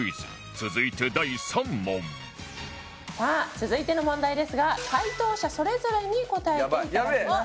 続いて第３問さあ続いての問題ですが解答者それぞれに答えていただきます。